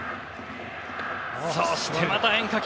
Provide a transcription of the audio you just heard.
そしてまた変化球！